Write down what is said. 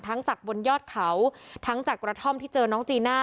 จากบนยอดเขาทั้งจากกระท่อมที่เจอน้องจีน่า